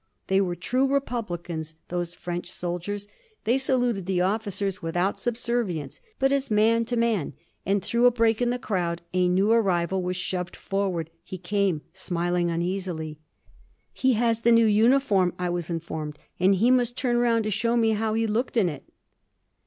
They were true republicans, those French soldiers. They saluted the officers without subservience, but as man to man. And through a break in the crowd a new arrival was shoved forward. He came, smiling uneasily. "He has the new uniform," I was informed, and he must turn round to show me how he looked in it.